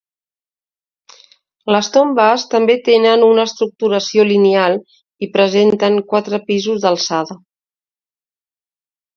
Les tombes, també tenen una estructuració lineal i presenten quatre pisos d'alçada.